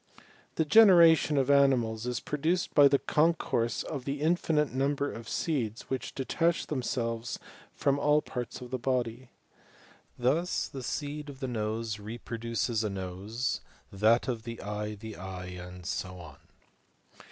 The generation of animals is produced by the concourse of the infinite number of seeds which detach themselves from all parts of the body. Thus the seed of the nose repro duces a nose, that of the eye the eye, and so on.